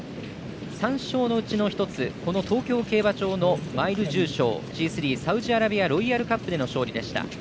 ３勝のうちの一つ、東京競馬場のマイル重賞Ｇ３サウジアラビアロイヤルカップでの勝利でした。